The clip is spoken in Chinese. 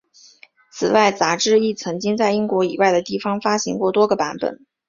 此外杂志亦曾经在英国以外的地方发行过多个版本。